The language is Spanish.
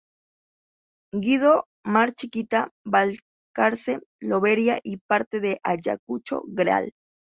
Guido, Mar Chiquita, Balcarce, Lobería, y parte de Ayacucho, Gral.